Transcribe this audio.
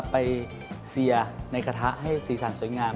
เซียในกระทะให้สีสันสวยงาม